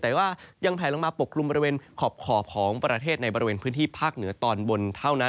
แต่ว่ายังแผลลงมาปกกลุ่มบริเวณขอบของประเทศในบริเวณพื้นที่ภาคเหนือตอนบนเท่านั้น